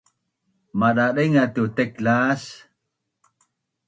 Madadaingaz tu taiklas